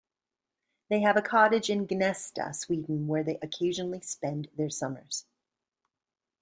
They have a cottage in Gnesta, Sweden where they occasionally spend their summers.